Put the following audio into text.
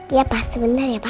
iya pak sebentar ya papa